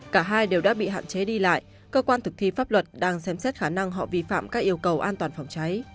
cả hai đều đã bị hạn chế đi lại cơ quan thực thi pháp luật đang xem xét khả năng họ vi phạm các yêu cầu an toàn phòng cháy